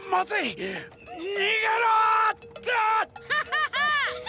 ハハハ！